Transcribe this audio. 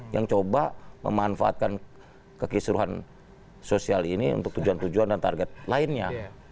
yang coba memanfaatkan kekisruhan sosial ini untuk tujuan tujuan dan target lainnya